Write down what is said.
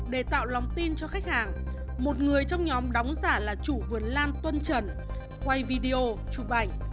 để tạo lòng tin cho khách hàng một người trong nhóm đóng giả là chủ vườn lan tuân trần quay video chụp ảnh